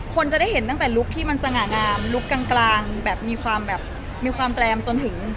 คนจะได้เห็นตั้งแต่ลุคที่มันสง่างามลุคกลางแบบมีความแบบมีความแปลมจนถึง